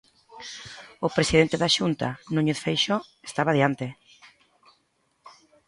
O presidente da Xunta, Núñez Feixóo, estaba diante.